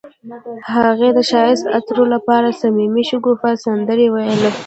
هغې د ښایسته خاطرو لپاره د صمیمي شګوفه سندره ویله.